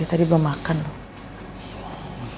tadi belum makan